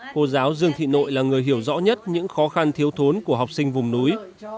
cô giáo dương thị nội là người hiểu rõ nhất những khó khăn thiếu thốn của học sinh vùng núi